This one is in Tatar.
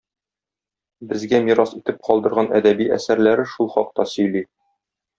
Безгә мирас итеп калдырган әдәби әсәрләре шул хакта сөйли.